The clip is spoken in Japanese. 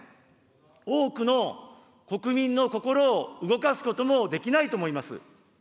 多くの国民の心を動かすこともできないと思います。